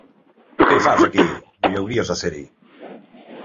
Què hi fas aquí, no hauries de ser-hi!